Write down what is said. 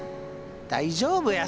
大丈夫や！